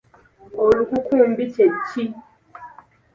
Olukukumbi kye ki?